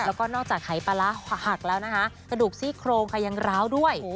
แล้วก็นอกจากหายปลาร้าหักแล้วนะคะกระดูกซี่โครงค่ะยังร้าวด้วย